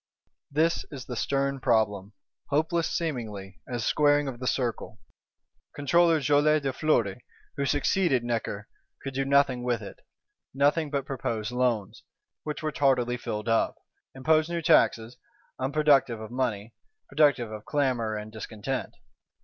This is the stern problem; hopeless seemingly as squaring of the circle. Controller Joly de Fleury, who succeeded Necker, could do nothing with it; nothing but propose loans, which were tardily filled up; impose new taxes, unproductive of money, productive of clamour and discontent.